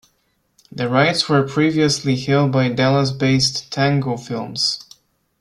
The rights were previously held by Dallas-based Tango Films.